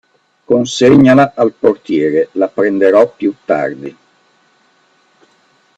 Consegnala al portiere, la prenderò piú tardi.